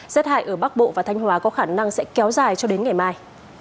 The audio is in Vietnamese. rết hại ở bắc bộ và thanh hóa có khả năng sẽ kéo dài cho đến ngày mai